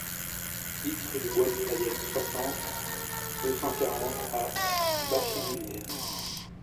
dix rue du Bois du Fayel, soixante, deux cent quarante à Bachivillers